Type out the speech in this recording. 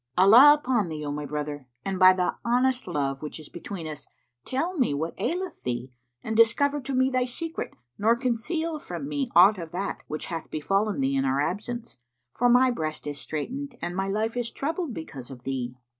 Allah upon thee, O my brother, and by the honest love which is between us, tell me what aileth thee and discover to me thy secret, nor conceal from me aught of that which hath befallen thee in our absence; for my breast is straitened and my life is troubled because of thee."